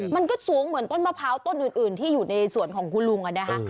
มันก็สูงเหมือนต้นมะพร้าวต้นอื่นที่อยู่ในสวนของคุณลุงนะคะ